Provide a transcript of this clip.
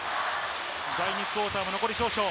第２クオーター残り少々。